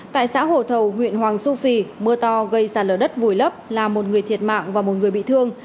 tại xã hồ thầu huyện hoàng su phi mưa to gây xà lở đất vùi lấp làm một người thiệt mạng và một người bị thương